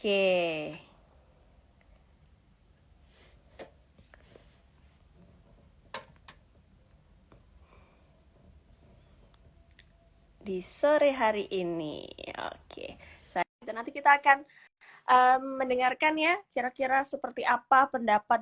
hai di sore hari ini oke saida nanti kita akan mendengarkan ya kira kira seperti apa pendapat